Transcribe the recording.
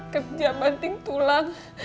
kerja banting tulang